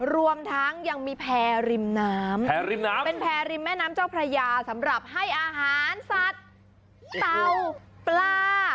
รวมทั้งยังมีแพรริมน้ำแพรริมน้ำเป็นแพรริมแม่น้ำเจ้าพระยาสำหรับให้อาหารสัตว์เตาปลา